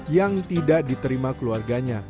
yang tidak diterima keluarganya